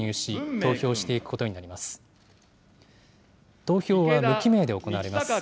投票は無記名で行われます。